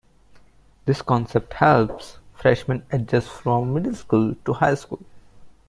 This concept helps freshmen adjust from middle school to high school.